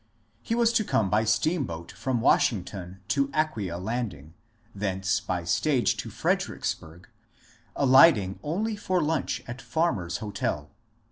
He was to come by steamboat from Washington to Aquia landing, thence by stage to Fredericksburg, alight ing only for lunch at Farmer's Hotel.